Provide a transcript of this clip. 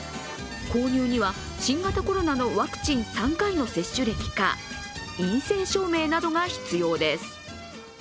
購入には新型コロナのワクチン３回の接種歴か陰性証明などが必要です。